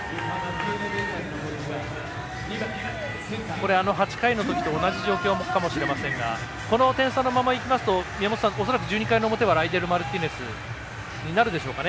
これ８回の時と同じ状況かもしれませんがこの点差のままいきますと宮本さん、恐らく、１２回の裏はライデル・マルティネスになるでしょうか。